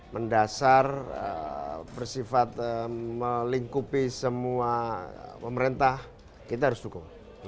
mendasar bersifat melingkupi semua pemerintah kita harus dukung